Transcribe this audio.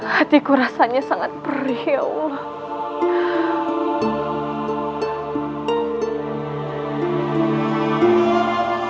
hatiku rasanya sangat perih ya allah